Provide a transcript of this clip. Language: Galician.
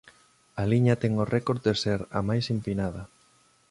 A liña ten o récord de ser a máis empinada.